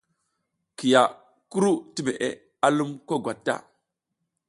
Kiya kuru ti meʼe a lum ko gwat ta.